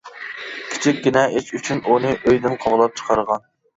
كىچىككىنە ئىش ئۈچۈن ئۇنى ئۆيدىن قوغلاپ چىقارغان.